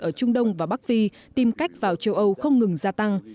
ở trung đông và bắc phi tìm cách vào châu âu không ngừng gia tăng